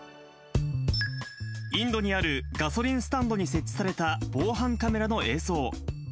インドにあるガソリンスタンドに設置された防犯カメラの映像。